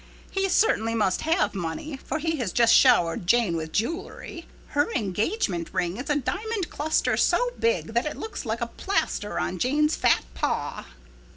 He certainly must have money, for he has just showered Jane with jewelry. Her engagement ring is a diamond cluster so big that it looks like a plaster on Jane's fat paw."